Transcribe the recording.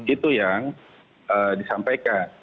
itu yang disampaikan